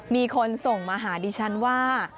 มีคนส่งมาหาดิฉันว่า